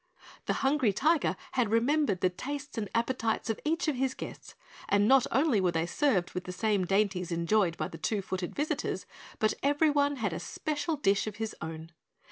The Hungry Tiger had remembered the tastes and appetites of each of his guests, and not only were they served with the same dainties enjoyed by the Two Footed visitors, but every one had a special dish of his own.